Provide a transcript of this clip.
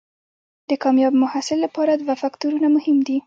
د کامیاب محصل لپاره دوه فکتورونه مهم دي.